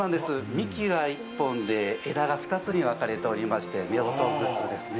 幹が１本で枝が２つに分かれておりまして夫婦楠ですね。